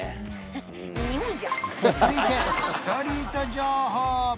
続いてストリート情報！